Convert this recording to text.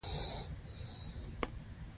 ښځه ډوډۍ وړل پیل کړل.